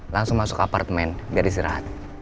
langsung masuk apartemen biar istirahat